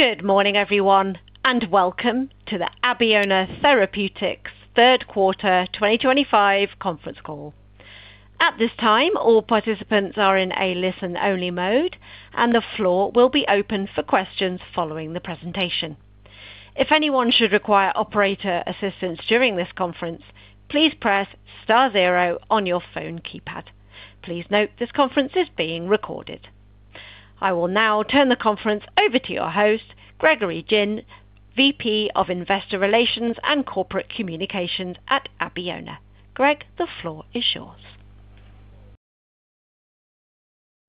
Good morning, everyone, and Welcome to the Abeona Therapeutics third quarter 2025 conference call. At this time, all participants are in a listen-only mode, and the floor will be open for questions following the presentation. If anyone should require operator assistance during this conference, please press star zero on your phone keypad. Please note this conference is being recorded. I will now turn the conference over to your host, Gregory Gin, VP of Investor Relations and Corporate Communications at Abeona. Greg, the floor is yours.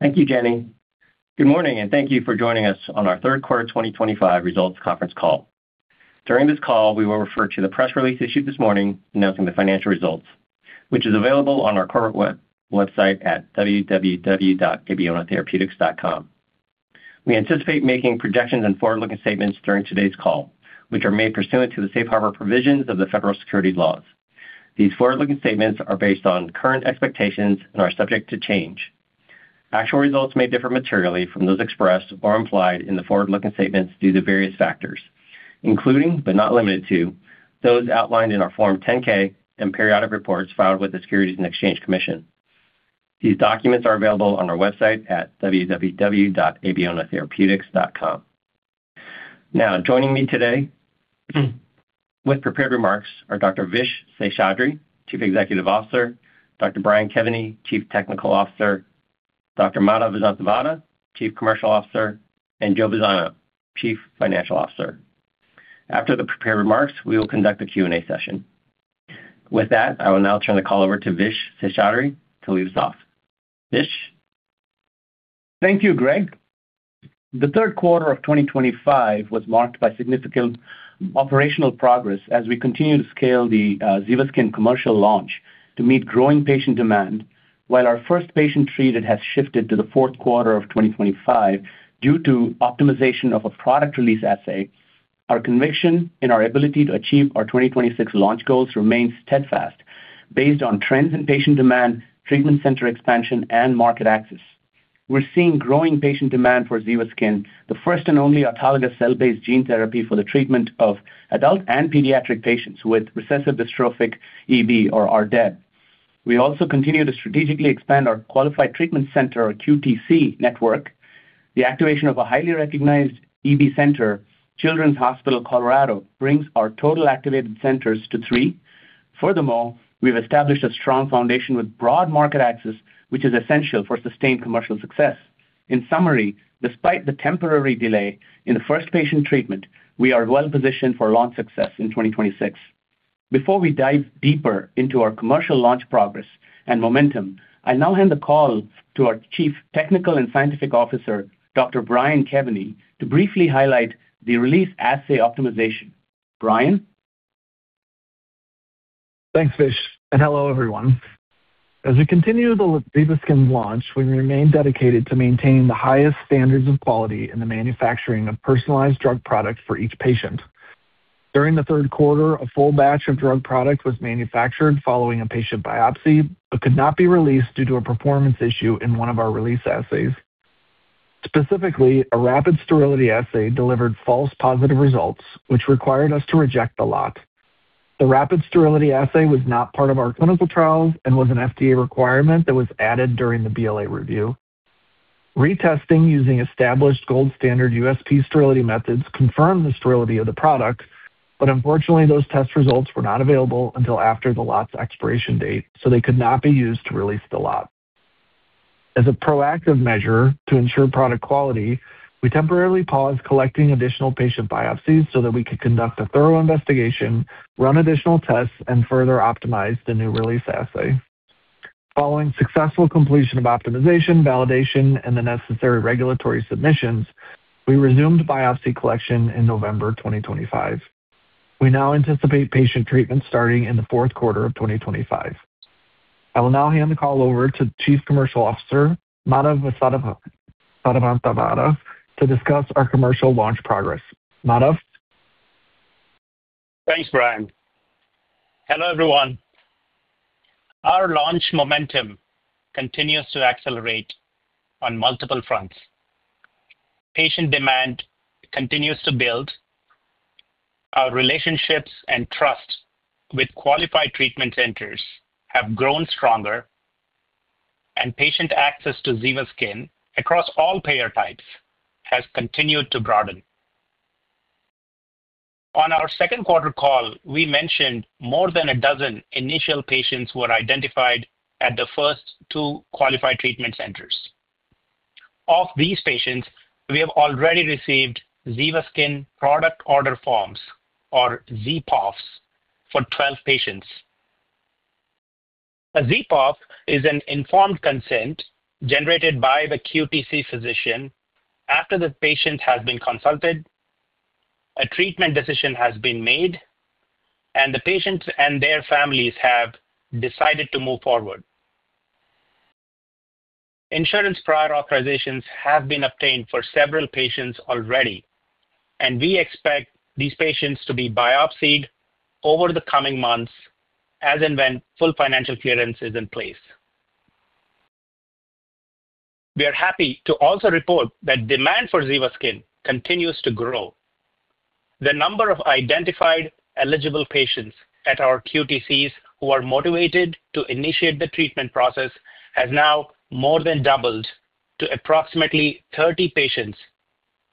Thank you, Jenny. Good morning, and thank you for joining us on our third quarter 2025 results conference call. During this call, we will refer to the press release issued this morning announcing the financial results, which is available on our corporate website at www.abeonatherapeutics.com. We anticipate making projections and forward-looking statements during today's call, which are made pursuant to the safe harbor provisions of the federal securities laws. These forward-looking statements are based on current expectations and are subject to change. Actual results may differ materially from those expressed or implied in the forward-looking statements due to various factors, including but not limited to those outlined in our Form 10-K and periodic reports filed with the Securities and Exchange Commission. These documents are available on our website at www.abeonatherapeutics.com. Now, joining me today with prepared remarks are Dr. Vish Seshadri, Chief Executive Officer; Dr. Brian Kevany, Chief Technical and Scientific Officer; Dr. Madhav Vasanthavada, Chief Commercial Officer; and Joe Vazzano, Chief Financial Officer. After the prepared remarks, we will conduct a Q&A session. With that, I will now turn the call over to Vishwas Seshadri to lead us off. Vish. Thank you, Greg. The third quarter of 2025 was marked by significant operational progress as we continue to scale the ZEVASKYN commercial launch to meet growing patient demand. While our first patient treated has shifted to the fourth quarter of 2025 due to optimization of a product release assay, our conviction in our ability to achieve our 2026 launch goals remains steadfast based on trends in patient demand, treatment center expansion, and market access. We're seeing growing patient demand for ZEVASKYN, the first and only autologous cell-based gene therapy for the treatment of adult and pediatric patients with recessive dystrophic EB, or RDEB. We also continue to strategically expand our qualified treatment center, or QTC, network. The activation of a highly recognized EB center, Children's Hospital Colorado, brings our total activated centers to three. Furthermore, we've established a strong foundation with broad market access, which is essential for sustained commercial success. In summary, despite the temporary delay in the first patient treatment, we are well positioned for launch success in 2026. Before we dive deeper into our commercial launch progress and momentum, I now hand the call to our Chief Technical and Scientific Officer, Dr. Brian Kevany, to briefly highlight the release assay optimization. Brian. Thanks, Vish. Hello, everyone. As we continue the ZEVASKYN launch, we remain dedicated to maintaining the highest standards of quality in the manufacturing of personalized drug products for each patient. During the third quarter, a full batch of drug product was manufactured following a patient biopsy but could not be released due to a performance issue in one of our release assays. Specifically, a rapid sterility assay delivered false positive results, which required us to reject the lot. The rapid sterility assay was not part of our clinical trials and was an FDA requirement that was added during the BLA review. Retesting using established gold standard USP sterility methods confirmed the sterility of the product, but unfortunately, those test results were not available until after the lot's expiration date, so they could not be used to release the lot. As a proactive measure to ensure product quality, we temporarily paused collecting additional patient biopsies so that we could conduct a thorough investigation, run additional tests, and further optimize the new release assay. Following successful completion of optimization, validation, and the necessary regulatory submissions, we resumed biopsy collection in November 2025. We now anticipate patient treatment starting in the fourth quarter of 2025. I will now hand the call over to Chief Commercial Officer, Madhav Vasanthavada, to discuss our commercial launch progress. Madhav. Thanks, Brian. Hello, everyone. Our launch momentum continues to accelerate on multiple fronts. Patient demand continues to build. Our relationships and trust with qualified treatment centers have grown stronger, and patient access to ZEVASKYN across all payer types has continued to broaden. On our second quarter call, we mentioned more than a dozen initial patients were identified at the first two qualified treatment centers. Of these patients, we have already received ZEVASKYN Product Order Forms, or ZPOFs, for 12 patients. A ZPOF is an informed consent generated by the QTC physician after the patient has been consulted, a treatment decision has been made, and the patient and their families have decided to move forward. Insurance prior authorizations have been obtained for several patients already, and we expect these patients to be biopsied over the coming months as and when full financial clearance is in place. We are happy to also report that demand for ZEVASKYN continues to grow. The number of identified eligible patients at our QTCs who are motivated to initiate the treatment process has now more than doubled to approximately 30 patients,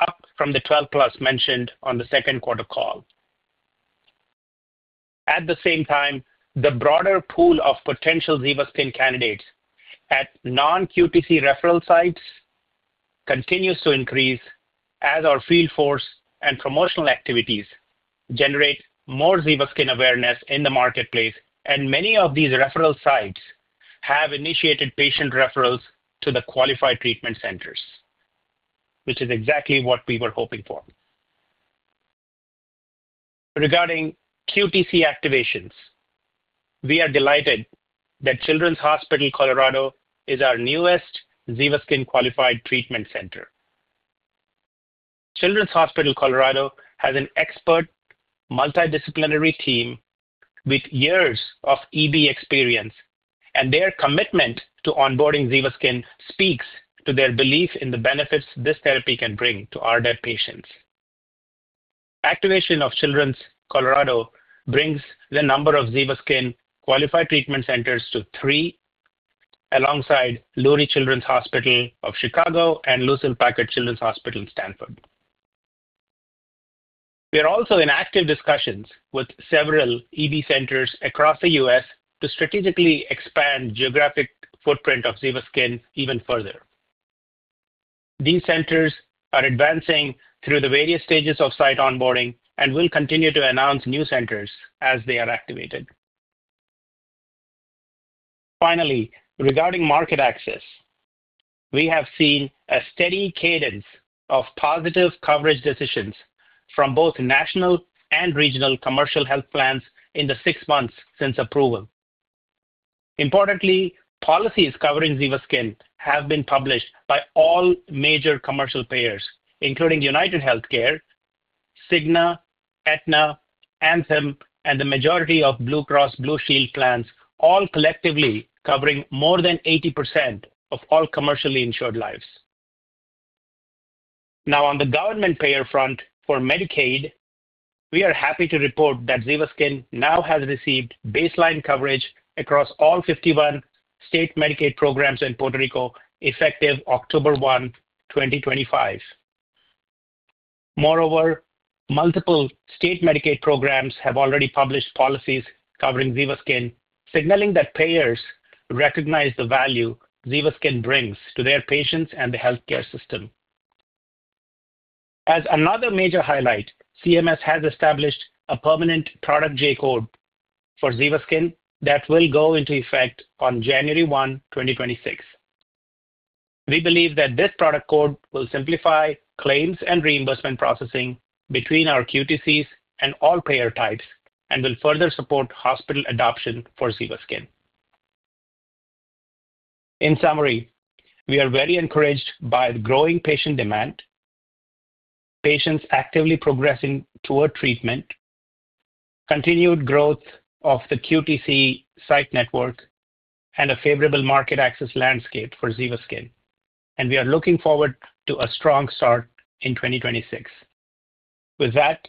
up from the 12+ mentioned on the second quarter call. At the same time, the broader pool of potential ZEVASKYN candidates at non-QTC referral sites continues to increase as our field force and promotional activities generate more ZEVASKYN awareness in the marketplace, and many of these referral sites have initiated patient referrals to the qualified treatment centers, which is exactly what we were hoping for. Regarding QTC activations, we are delighted that Children's Hospital Colorado is our newest ZEVASKYN qualified treatment center. Children's Hospital Colorado has an expert multidisciplinary team with years of EB experience, and their commitment to onboarding ZEVASKYN speaks to their belief in the benefits this therapy can bring to RDEB patients. Activation of Children's Colorado brings the number of ZEVASKYN qualified treatment centers to three, alongside Lurie Children's Hospital of Chicago and Lucile Packard Children's Hospital Stanford. We are also in active discussions with several EB centers across the U.S. to strategically expand the geographic footprint of ZEVASKYN even further. These centers are advancing through the various stages of site onboarding and we will continue to announce new centers as they are activated. Finally, regarding market access, we have seen a steady cadence of positive coverage decisions from both national and regional commercial health plans in the six months since approval. Importantly, policies covering ZEVASKYN have been published by all major commercial payers, including UnitedHealthcare, Cigna, Aetna, Anthem, and the majority of Blue Cross Blue Shield plans, all collectively covering more than 80% of all commercially insured lives. Now, on the government payer front for Medicaid, we are happy to report that ZEVASKYN now has received baseline coverage across all 51 state Medicaid programs and Puerto Rico effective October 1, 2025. Moreover, multiple state Medicaid programs have already published policies covering ZEVASKYN, signaling that payers recognize the value ZEVASKYN brings to their patients and the healthcare system. As another major highlight, CMS has established a permanent product J-code for ZEVASKYN that will go into effect on January 1, 2026. We believe that this product code will simplify claims and reimbursement processing between our QTCs and all payer types and will further support hospital adoption for ZEVASKYN. In summary, we are very encouraged by the growing patient demand, patients actively progressing toward treatment, continued growth of the QTC site network, and a favorable market access landscape for ZEVASKYN. We are looking forward to a strong start in 2026. With that,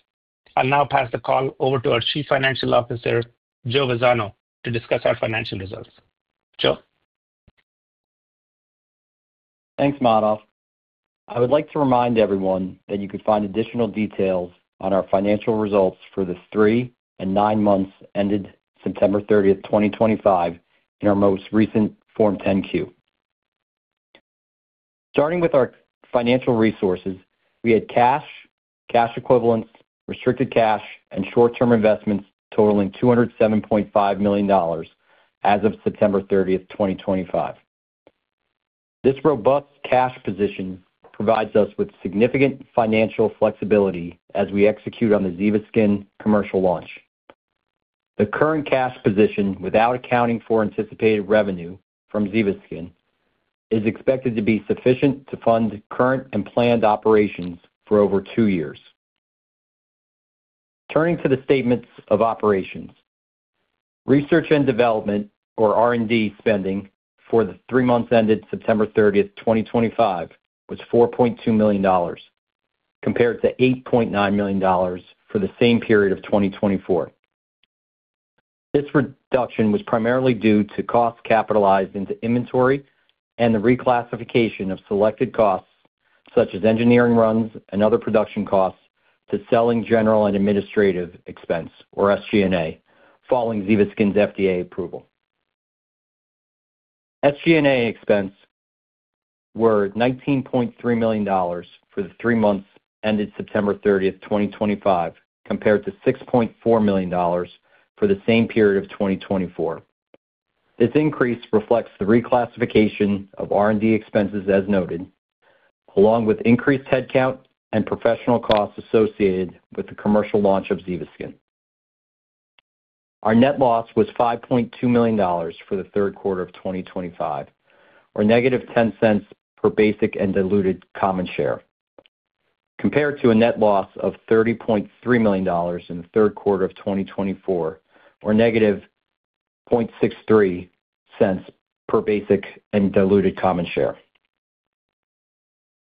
I'll now pass the call over to our Chief Financial Officer, Joe Vazzano, to discuss our financial results. Joe? Thanks, Madhav. I would like to remind everyone that you could find additional details on our financial results for the three and nine months ended September 30, 2025, in our most recent Form 10-Q. Starting with our financial resources, we had cash, cash equivalents, restricted cash, and short-term investments totaling $207.5 million as of September 30, 2025. This robust cash position provides us with significant financial flexibility as we execute on the ZEVASKYN commercial launch. The current cash position, without accounting for anticipated revenue from ZEVASKYN, is expected to be sufficient to fund current and planned operations for over two years. Turning to the statements of operations, research and development, or R&D spending for the three months ended September 30, 2025, was $4.2 million, compared to $8.9 million for the same period of 2024. This reduction was primarily due to costs capitalized into inventory and the reclassification of selected costs, such as engineering runs and other production costs, to selling general and administrative expense, or SG&A, following ZEVASKYN's FDA approval. SG&A expenses were $19.3 million for the three months ended September 30, 2025, compared to $6.4 million for the same period of 2024. This increase reflects the reclassification of R&D expenses as noted, along with increased headcount and professional costs associated with the commercial launch of ZEVASKYN. Our net loss was $5.2 million for the third quarter of 2025, or -$0.10 per basic and diluted common share, compared to a net loss of $30.3 million in the third quarter of 2024, or -$0.63 per basic and diluted common share.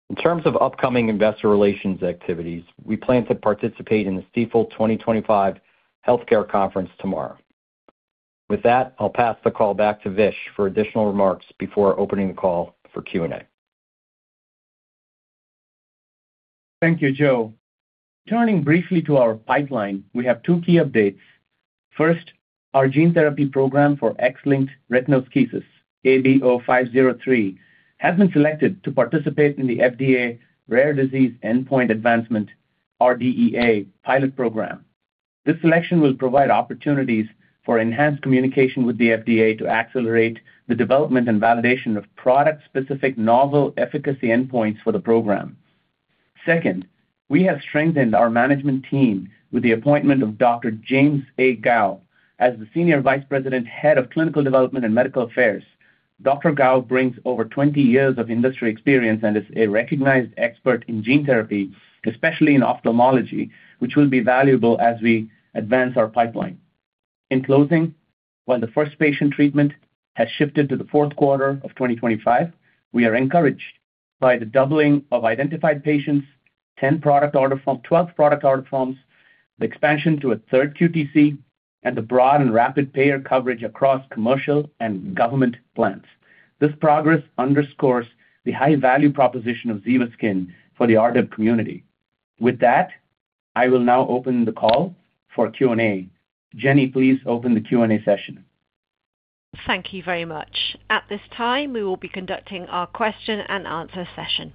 In terms of upcoming investor relations activities, we plan to participate in the Stifel 2025 Healthcare Conference tomorrow. With that, I'll pass the call back to Vish for additional remarks before opening the call for Q&A. Thank you, Joe. Turning briefly to our pipeline, we have two key updates. First, our gene therapy program for X-linked retinoschisis, ABO-503, has been selected to participate in the FDA Rare Disease Endpoint Advancement, or RDEA Pilot Program. This selection will provide opportunities for enhanced communication with the FDA to accelerate the development and validation of product-specific novel efficacy endpoints for the program. Second, we have strengthened our management team with the appointment of Dr. James A. Gao as the Senior Vice President, Head of Clinical Development and Medical Affairs. Dr. Gao brings over 20 years of industry experience and is a recognized expert in gene therapy, especially in ophthalmology, which will be valuable as we advance our pipeline. In closing, while the first patient treatment has shifted to the fourth quarter of 2025, we are encouraged by the doubling of identified patients, 10 product order forms, 12 product order forms, the expansion to a third QTC, and the broad and rapid payer coverage across commercial and government plans. This progress underscores the high-value proposition of ZEVASKYN for the RDEB community. With that, I will now open the call for Q&A. Jenny, please open the Q&A session. Thank you very much. At this time, we will be conducting our question and answer session.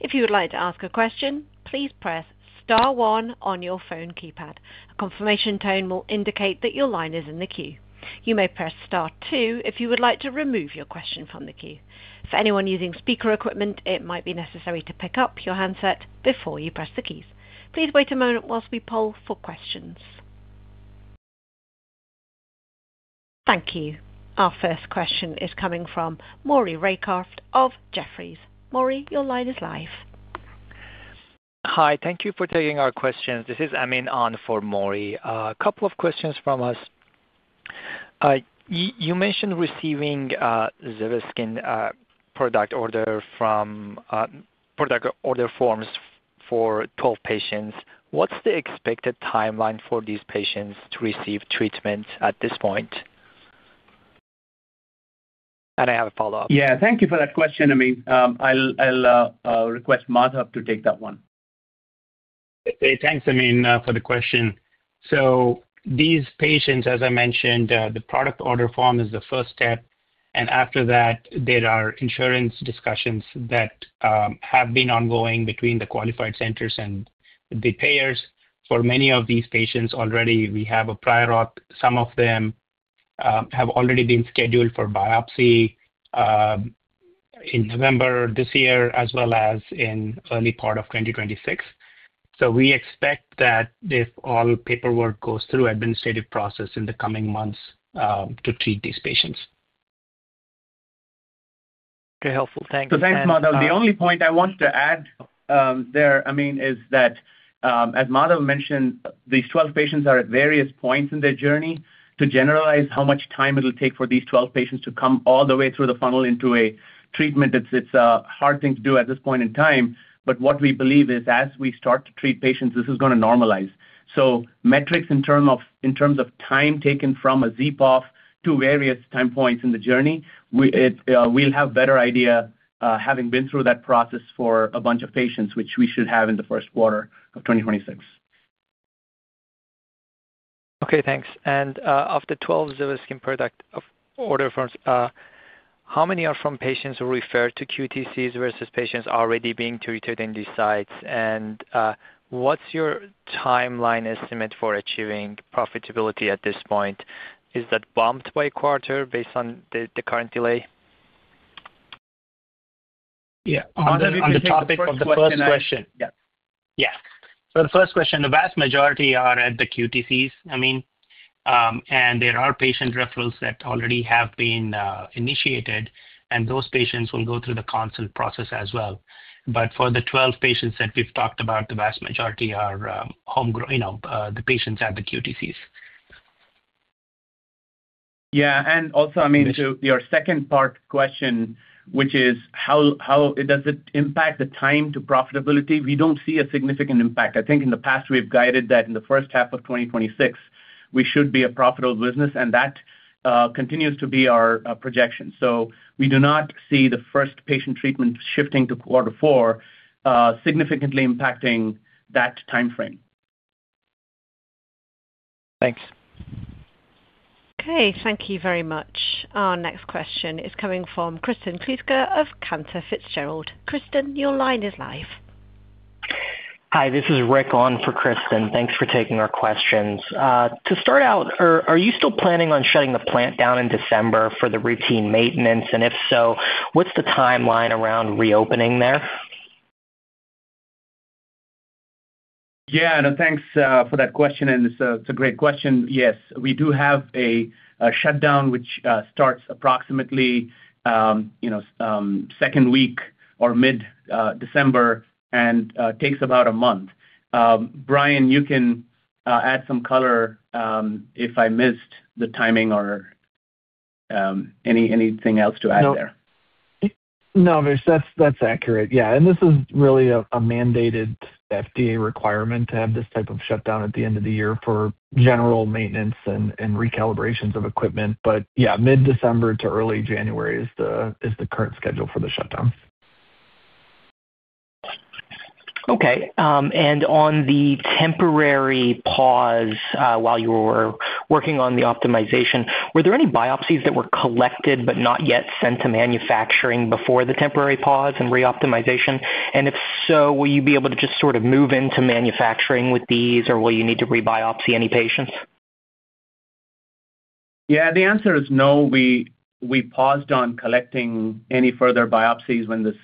If you would like to ask a question, please press Star one on your phone keypad. A confirmation tone will indicate that your line is in the queue. You may press Star two if you would like to remove your question from the queue. For anyone using speaker equipment, it might be necessary to pick up your handset before you press the keys. Please wait a moment whilst we poll for questions. Thank you. Our first question is coming from Maury Raycroft of Jefferies. Maury, your line is live. Hi. Thank you for taking our questions. This is Amin on for Maury. A couple of questions from us. You mentioned receiving ZEVASKYN Product Order Forms for 12 patients. What's the expected timeline for these patients to receive treatment at this point? I have a follow-up. Yeah. Thank you for that question, Amin. I'll request Madhav to take that one. Thanks, Amin, for the question. These patients, as I mentioned, the product order form is the first step. After that, there are insurance discussions that have been ongoing between the qualified centers and the payers. For many of these patients, already we have a prior auth. Some of them have already been scheduled for biopsy in November this year, as well as in the early part of 2026. We expect that if all paperwork goes through, administrative process in the coming months to treat these patients. Very helpful. Thank you. Thanks, Madhav. The only point I want to add there, Amin, is that, as Madhav mentioned, these 12 patients are at various points in their journey. To generalize how much time it'll take for these 12 patients to come all the way through the funnel into a treatment, it's a hard thing to do at this point in time. What we believe is, as we start to treat patients, this is going to normalize. Metrics in terms of time taken from a ZPOF to various time points in the journey, we'll have a better idea having been through that process for a bunch of patients, which we should have in the first quarter of 2026. Okay. Thanks. Of the 12 ZEVASKYN Product Order Forms, how many are from patients who referred to QTCs versus patients already being treated in these sites? What is your timeline estimate for achieving profitability at this point? Is that bumped by a quarter based on the current delay? Yeah. On the topic of the first question. Yes. Yeah. For the first question, the vast majority are at the QTCs, Amin. There are patient referrals that already have been initiated, and those patients will go through the counsel process as well. For the 12 patients that we've talked about, the vast majority are the patients at the QTCs. Yeah. Also, Amin, to your second part question, which is, how does it impact the time to profitability? We do not see a significant impact. I think in the past, we have guided that in the first half of 2026, we should be a profitable business, and that continues to be our projection. We do not see the first patient treatment shifting to quarter four significantly impacting that timeframe. Thanks. Okay. Thank you very much. Our next question is coming from Kristen Kluska of Cantor Fitzgerald. Kristen, your line is live. Hi. This is Rick On for Kristen. Thanks for taking our questions. To start out, are you still planning on shutting the plant down in December for the routine maintenance? If so, what's the timeline around reopening there? Yeah. No, thanks for that question. It's a great question. Yes. We do have a shutdown, which starts approximately second week or mid-December and takes about a month. Brian, you can add some color if I missed the timing or anything else to add there. No. No, Vish, that's accurate. Yeah. This is really a mandated FDA requirement to have this type of shutdown at the end of the year for general maintenance and recalibrations of equipment. Yeah, mid-December to early January is the current schedule for the shutdown. Okay. On the temporary pause while you were working on the optimization, were there any biopsies that were collected but not yet sent to manufacturing before the temporary pause and reoptimization? If so, will you be able to just sort of move into manufacturing with these, or will you need to rebiopsy any patients? Yeah. The answer is no. We paused on collecting any further biopsies when this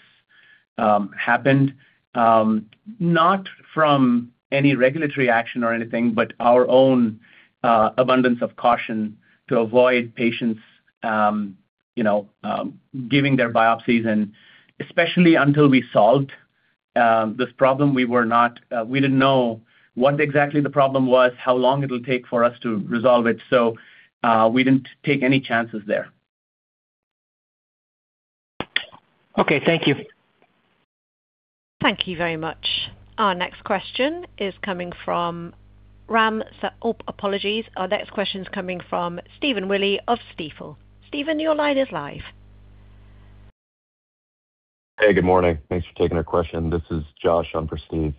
happened, not from any regulatory action or anything, but our own abundance of caution to avoid patients giving their biopsies. Especially until we solved this problem, we did not know what exactly the problem was, how long it would take for us to resolve it. We did not take any chances there. Okay. Thank you. Thank you very much. Our next question is coming from Ram—oh, apologies. Our next question is coming from Stephen Willey of Stifel. Stephen, your line is live. Hey, good morning. Thanks for taking our question. This is Josh on for Steve.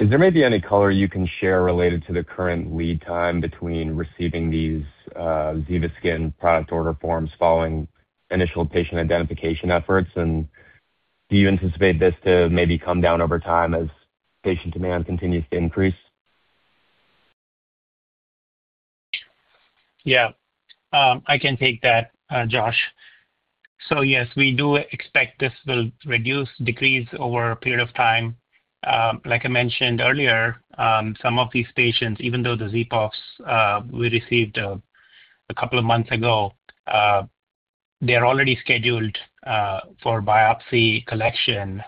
Is there maybe any color you can share related to the current lead time between receiving these ZEVASKYN Product Order Forms following initial patient identification efforts? Do you anticipate this to maybe come down over time as patient demand continues to increase? Yeah. I can take that, Josh. Yes, we do expect this will decrease over a period of time. Like I mentioned earlier, some of these patients, even though the ZPOFs we received a couple of months ago, they're already scheduled for biopsy collection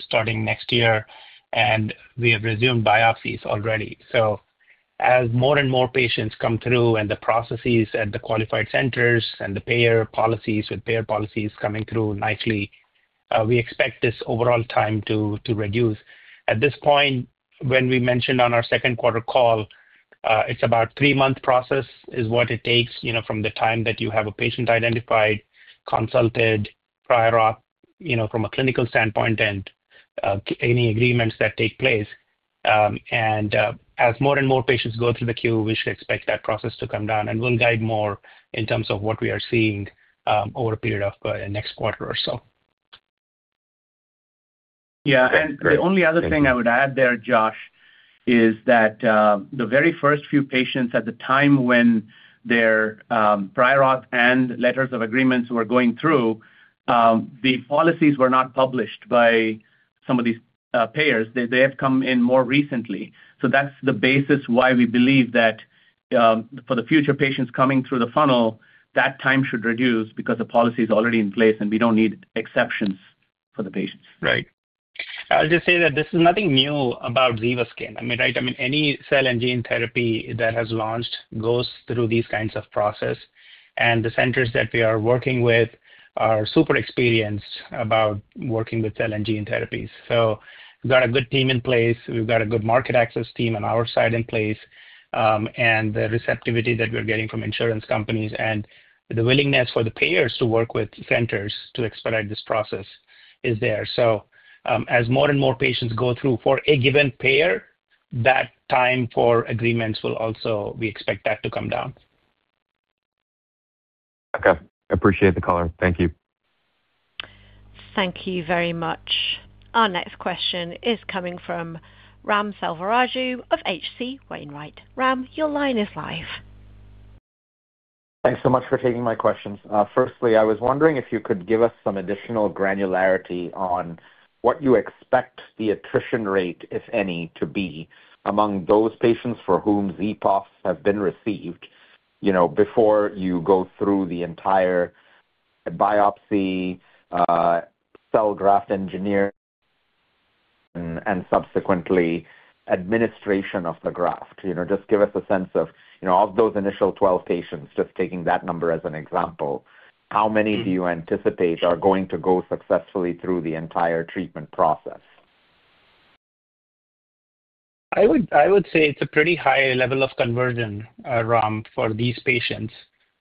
starting next year, and we have resumed biopsies already. As more and more patients come through and the processes at the qualified centers and the payer policies, with payer policies coming through nicely, we expect this overall time to reduce. At this point, when we mentioned on our second quarter call, it's about a three-month process is what it takes from the time that you have a patient identified, consulted, prior auth from a clinical standpoint, and any agreements that take place. As more and more patients go through the queue, we should expect that process to come down. We will guide more in terms of what we are seeing over a period of the next quarter or so. Yeah. The only other thing I would add there, Josh, is that the very first few patients at the time when their prior auth and letters of agreements were going through, the policies were not published by some of these payers. They have come in more recently. That is the basis why we believe that for the future patients coming through the funnel, that time should reduce because the policy is already in place, and we do not need exceptions for the patients. Right. I'll just say that this is nothing new about ZEVASKYN. I mean, right? I mean, any cell and gene therapy that has launched goes through these kinds of processes. The centers that we are working with are super experienced about working with cell and gene therapies. We've got a good team in place. We've got a good market access team on our side in place. The receptivity that we're getting from insurance companies and the willingness for the payers to work with centers to expedite this process is there. As more and more patients go through for a given payer, that time for agreements will also—we expect that to come down. Okay. Appreciate the color. Thank you. Thank you very much. Our next question is coming from Ram Selvaraju of H.C. Wainwright. Ram, your line is live. Thanks so much for taking my questions. Firstly, I was wondering if you could give us some additional granularity on what you expect the attrition rate, if any, to be among those patients for whom ZPOFs have been received before you go through the entire biopsy, cell graft engineering, and subsequently administration of the graft. Just give us a sense of, of those initial 12 patients, just taking that number as an example, how many do you anticipate are going to go successfully through the entire treatment process? I would say it's a pretty high level of conversion, Ram, for these patients.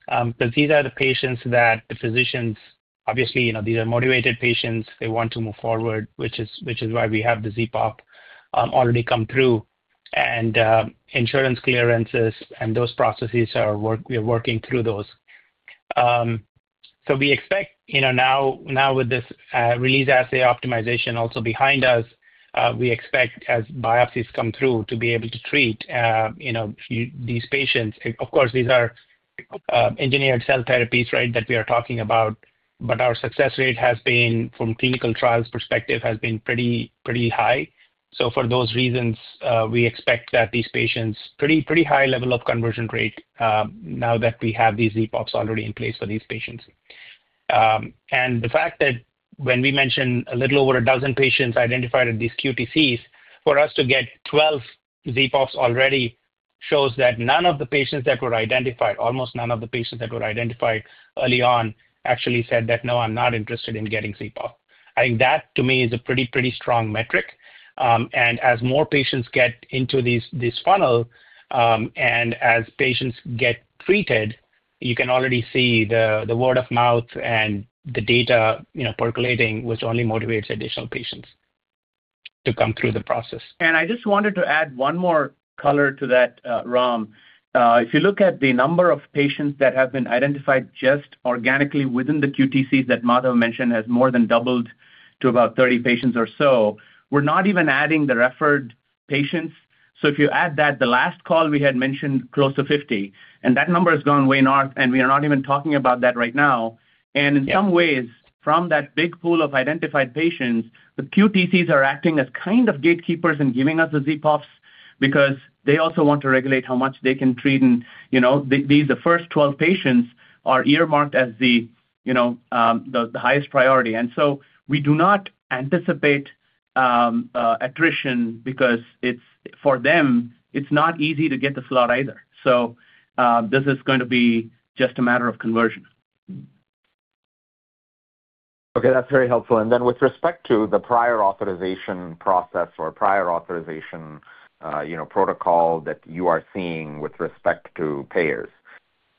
Because these are the patients that the physicians—obviously, these are motivated patients. They want to move forward, which is why we have the ZPOF already come through. Insurance clearances and those processes, we are working through those. We expect now, with this release assay optimization also behind us, we expect, as biopsies come through, to be able to treat these patients. Of course, these are engineered cell therapies, right, that we are talking about. Our success rate has been, from clinical trials perspective, pretty high. For those reasons, we expect that these patients—pretty high level of conversion rate now that we have these ZPOFs already in place for these patients. The fact that when we mentioned a little over a dozen patients identified at these QTCs, for us to get 12 ZPOFs already shows that almost none of the patients that were identified early on actually said that, "No, I'm not interested in getting ZPOF." I think that, to me, is a pretty strong metric. As more patients get into this funnel and as patients get treated, you can already see the word of mouth and the data percolating, which only motivates additional patients to come through the process. I just wanted to add one more color to that, Ram. If you look at the number of patients that have been identified just organically within the QTCs that Madhav mentioned has more than doubled to about 30 patients or so, we're not even adding the referred patients. If you add that, the last call we had mentioned close to 50. That number has gone way north, and we are not even talking about that right now. In some ways, from that big pool of identified patients, the QTCs are acting as kind of gatekeepers in giving us the ZPOFs because they also want to regulate how much they can treat. These first 12 patients are earmarked as the highest priority. We do not anticipate attrition because for them, it's not easy to get the slot either. This is going to be just a matter of conversion. Okay. That's very helpful. With respect to the prior authorization process or prior authorization protocol that you are seeing with respect to payers,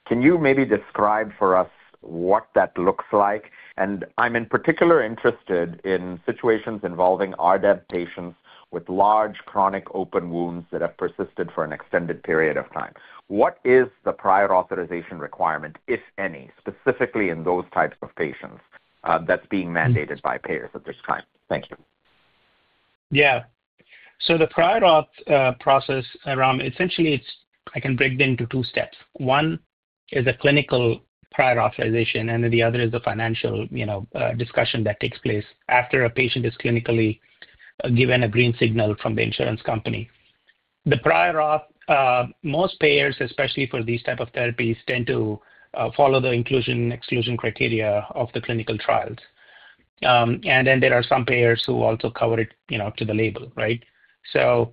can you maybe describe for us what that looks like? I'm in particular interested in situations involving RDEB patients with large chronic open wounds that have persisted for an extended period of time. What is the prior authorization requirement, if any, specifically in those types of patients that's being mandated by payers at this time? Thank you. Yeah. The prior auth process, Ram, essentially, I can break it into two steps. One is a clinical prior authorization, and then the other is the financial discussion that takes place after a patient is clinically given a green signal from the insurance company. The prior auth, most payers, especially for these types of therapies, tend to follow the inclusion/exclusion criteria of the clinical trials. There are some payers who also cover it to the label, right? In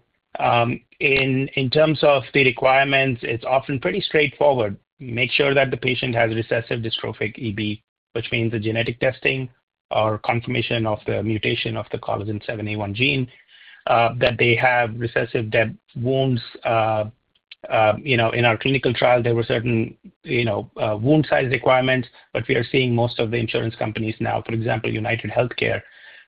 terms of the requirements, it is often pretty straightforward. Make sure that the patient has recessive dystrophic EB, which means the genetic testing or confirmation of the mutation of the Collagen 7A1 gene, that they have recessive wounds. In our clinical trial, there were certain wound size requirements, but we are seeing most of the insurance companies now, for example, UnitedHealthcare,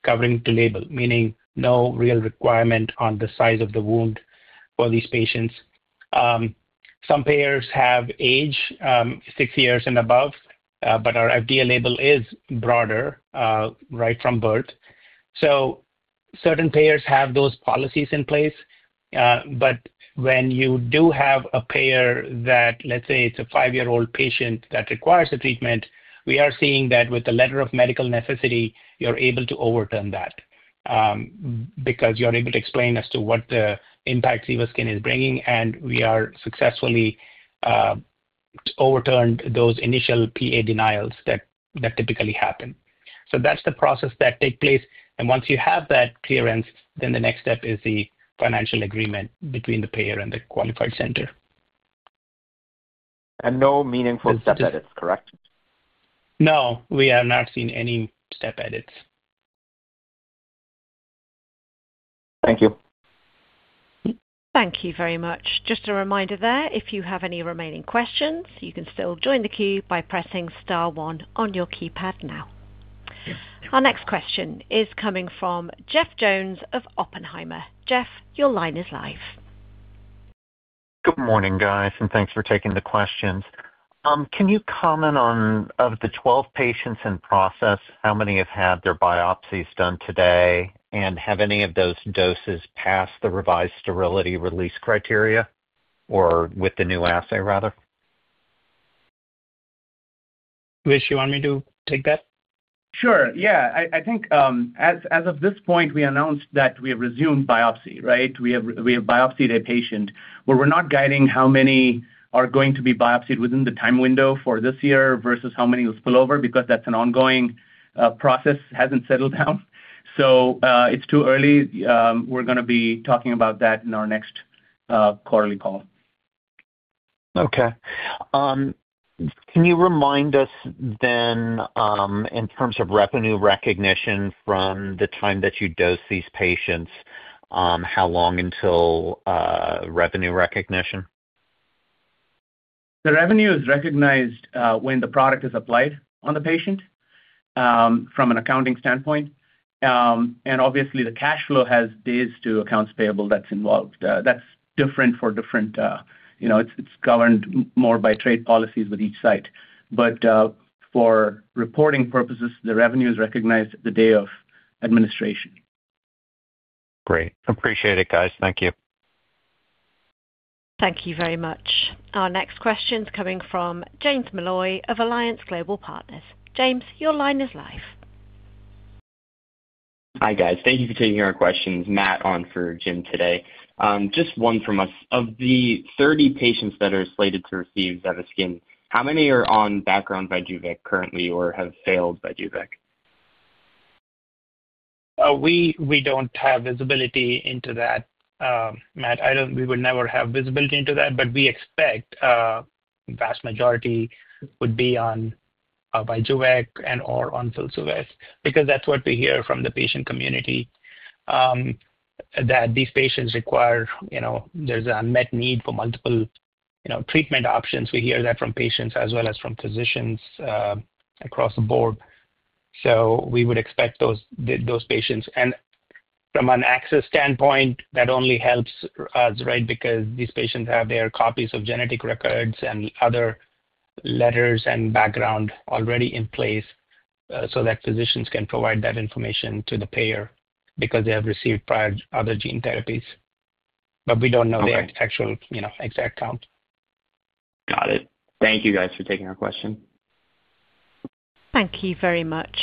covering to label, meaning no real requirement on the size of the wound for these patients. Some payers have age, six years and above, but our FDA label is broader right from birth. Certain payers have those policies in place. When you do have a payer that, let's say, it's a five-year-old patient that requires the treatment, we are seeing that with the letter of medical necessity, you're able to overturn that because you're able to explain as to what the impact ZEVASKYN is bringing, and we are successfully overturned those initial PA denials that typically happen. That's the process that takes place. Once you have that clearance, the next step is the financial agreement between the payer and the qualified center. No meaningful step edits, correct? No. We have not seen any step edits. Thank you. Thank you very much. Just a reminder there, if you have any remaining questions, you can still join the queue by pressing star one on your keypad now. Our next question is coming from Jeff Jones of Oppenheimer. Jeff, your line is live. Good morning, guys, and thanks for taking the questions. Can you comment on, of the 12 patients in process, how many have had their biopsies done today and have any of those doses passed the revised sterility release criteria or with the new assay, rather? Vish, you want me to take that? Sure. Yeah. I think as of this point, we announced that we have resumed biopsy, right? We have biopsied a patient. We're not guiding how many are going to be biopsied within the time window for this year versus how many will spill over because that's an ongoing process, hasn't settled down. It is too early. We're going to be talking about that in our next quarterly call. Okay. Can you remind us then, in terms of revenue recognition from the time that you dose these patients, how long until revenue recognition? The revenue is recognized when the product is applied on the patient from an accounting standpoint. Obviously, the cash flow has days to accounts payable that's involved. That's different for different—it's governed more by trade policies with each site. For reporting purposes, the revenue is recognized the day of administration. Great. Appreciate it, guys. Thank you. Thank you very much. Our next question is coming from James Molloy of Alliance Global Partners. James, your line is live. Hi, guys. Thank you for taking our questions. Matt on for James today. Just one from us. Of the 30 patients that are slated to receive ZEVASKYN, how many are on background VYJUVEK currently or have failed VYJUVEK? We don't have visibility into that, Matt. We would never have visibility into that, but we expect the vast majority would be on VYJUVEK and/or on Filsuvez because that's what we hear from the patient community, that these patients require—there's an unmet need for multiple treatment options. We hear that from patients as well as from physicians across the board. We would expect those patients. From an access standpoint, that only helps us, right, because these patients have their copies of genetic records and other letters and background already in place so that physicians can provide that information to the payer because they have received prior other gene therapies. We don't know the actual exact count. Got it. Thank you, guys, for taking our question. Thank you very much.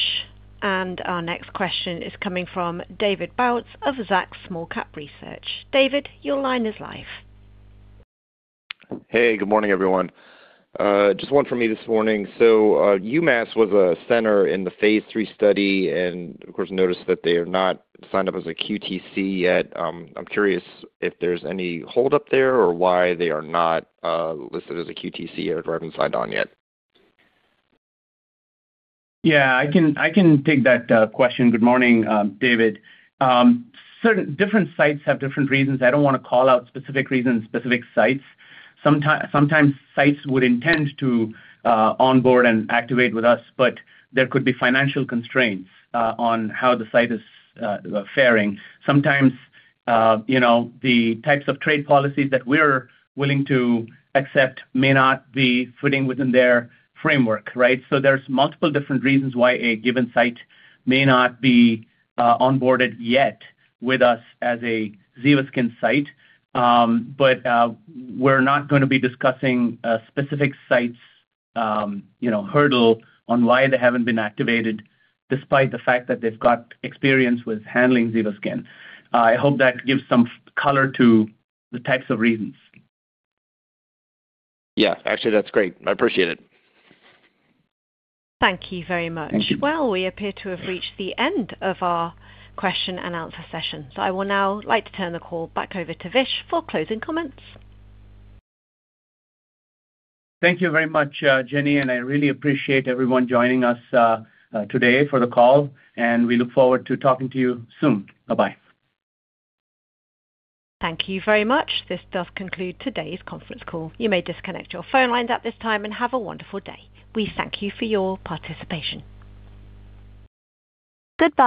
Our next question is coming from David Bautz of Zacks Small-Cap Research. David, your line is live. Hey, good morning, everyone. Just one for me this morning. UMass was a center in the phase three study and, of course, noticed that they are not signed up as a QTC yet. I'm curious if there's any hold-up there or why they are not listed as a QTC or driving signed on yet. Yeah. I can take that question. Good morning, David. Different sites have different reasons. I do not want to call out specific reasons, specific sites. Sometimes sites would intend to onboard and activate with us, but there could be financial constraints on how the site is faring. Sometimes the types of trade policies that we are willing to accept may not be fitting within their framework, right? There are multiple different reasons why a given site may not be onboarded yet with us as a ZEVASKYN site. We are not going to be discussing specific sites' hurdle on why they have not been activated despite the fact that they have experience with handling ZEVASKYN. I hope that gives some color to the types of reasons. Yeah. Actually, that's great. I appreciate it. Thank you very much. We appear to have reached the end of our question and answer session. I will now like to turn the call back over to Vish for closing comments. Thank you very much, Jenny. I really appreciate everyone joining us today for the call. We look forward to talking to you soon. Bye-bye. Thank you very much. This does conclude today's conference call. You may disconnect your phone lines at this time and have a wonderful day. We thank you for your participation. Good.